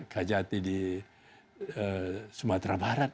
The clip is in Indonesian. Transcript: kajari di sumatera barat